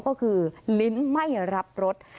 ก็คือลิ้นไม่รับรส